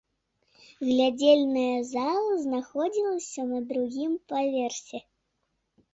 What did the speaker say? Глядзельная зала знаходзілася на другім паверсе.